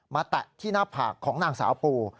แตะที่หน้าผากของนางสาวปู